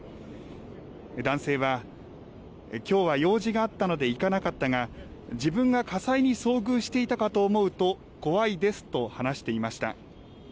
男性は、きょうは用事があったので行かなかったが、自分が火災に遭遇していたかと思うと怖いですと話していました。